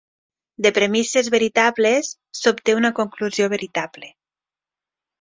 De premisses veritables s'obté una conclusió veritable.